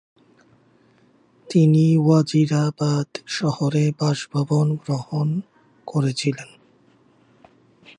তিনি ওয়াজিরাবাদ শহরে বাসভবন গ্রহণ করেছিলেন।